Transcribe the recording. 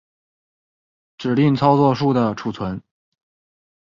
指令操作数的存储